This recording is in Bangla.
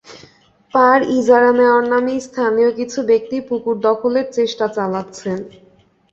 পাড় ইজারা নেওয়ার নামে স্থানীয় কিছু ব্যক্তি পুকুর দখলের চেষ্টা চালাচ্ছেন।